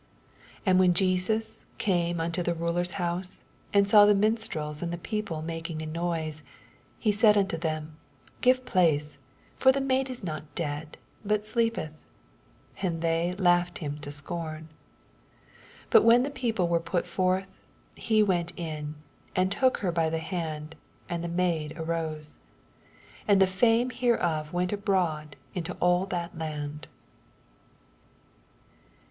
MATTHEW, CHAP. IX. 87 SS And when Jesus came into the ruler's bonse, and saw the mmstrels and the people making a noise, 24 He said nnto them, Give, place : for the maid is not dead, bntsleepetii. And they langhed liim to scorn. 25 But when tee people weie pal forth, he went in, and took her by the hand, and the maid arose. 26 And the fame hereof went abroad into all that land.